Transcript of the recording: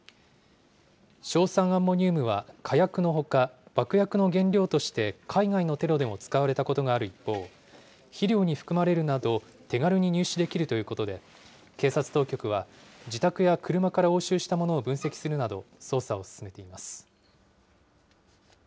硝酸アンモニウムは火薬のほか、爆薬の原料として海外のテロでも使われたことがある一方、肥料に含まれるなど、手軽に入手できるということで、警察当局は、自宅や車から押収したものを分析するなど、捜査を進めています。